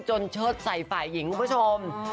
เชิดใส่ฝ่ายหญิงคุณผู้ชม